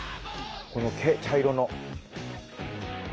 この毛茶色の。